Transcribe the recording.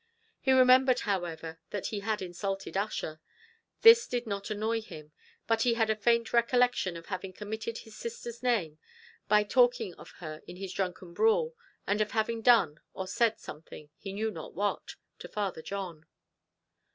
He remembered, however, that he had insulted Ussher; this did not annoy him; but he had a faint recollection of having committed his sister's name, by talking of her in his drunken brawl, and of having done, or said something, he knew not what, to Father John.